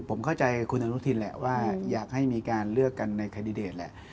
ผมเข้าใจคุณอนุทินแหละว่าอยากให้มีการเลือกกันในแคนดิเดตแหละ